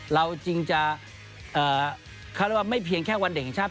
เราจริงจะคือว่าไม่เพียงแค่วันเด็กิชศาสตร์